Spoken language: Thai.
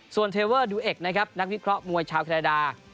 ส่วนเพอร์ดูเอ็กซ์นะครับนักวิทยุคร้อมวยชาวอิตรา